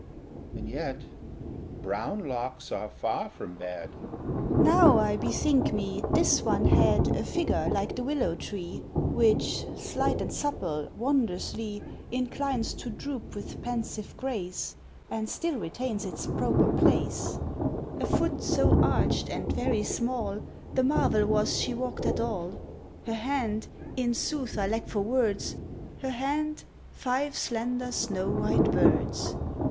And yet brown locks are far from bad. PILGRIM. Now I bethink me, this one had A figure like the willow tree Which, slight and supple, wondrously Inclines to droop with pensive grace, And still retains its proper place; A foot so arched and very small The marvel was she walked at all; Her hand in sooth I lack for words Her hand, five slender snow white birds.